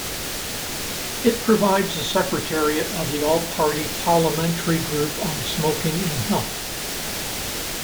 It provides the secretariat of the All-Party Parliamentary Group on smoking and health.